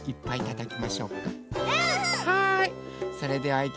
はい。